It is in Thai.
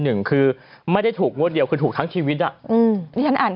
หนึ่งคือไม่ได้ถูกงวดเดียวคือถูกทั้งชีวิตอ่ะอืมที่ฉันอ่าน